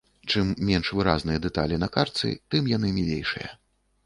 Чым менш выразныя дэталі на картцы, тым яны мілейшыя.